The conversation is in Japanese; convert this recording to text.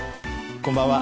こんばんは。